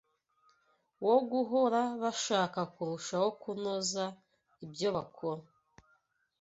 wo guhora bashaka kurushaho kunoza ibyo bakora